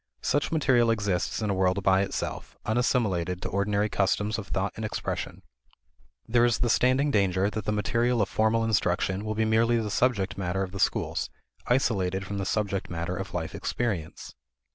Such material exists in a world by itself, unassimilated to ordinary customs of thought and expression. There is the standing danger that the material of formal instruction will be merely the subject matter of the schools, isolated from the subject matter of life experience.